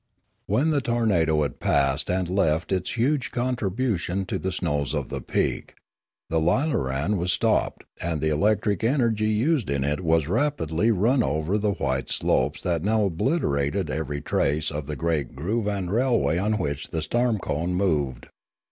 When the tornado had passed and left its huge con tribution to the snows of the peak, the lilaran was stopped, and the electric energy used in it was rapidly run over the white slopes that now obliterated every trace of the great groove and railway on which the storm cone moved.